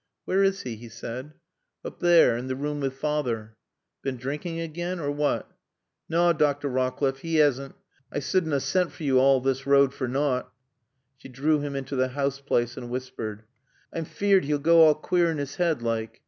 "Where is he?" he said. "Oop there, in t' room wi' 's feyther." "Been drinking again, or what?" "Naw, Dr. Rawcliffe, 'e 'assn't. I suddn' a sent for yo all this road for nowt." She drew him into the house place, and whispered. "I'm feared 'e'll goa queer in 'is 'head, like.